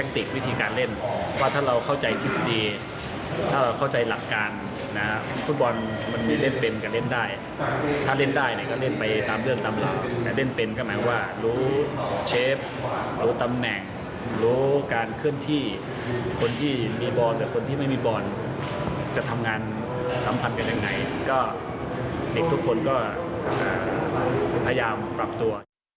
สำคัญเป็นอย่างไหนก็เด็กทุกคนก็พยายามปรับตัว